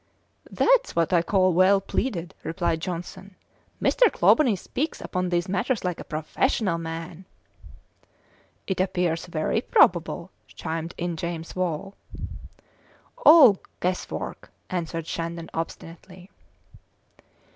"That's what I call well pleaded," replied Johnson. "Mr. Clawbonny speaks upon these matters like a professional man." "It appears very probable," chimed in James Wall. "All guess work," answered Shandon obstinately.